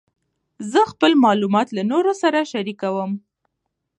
زه خپل معلومات له نورو سره شریکوم.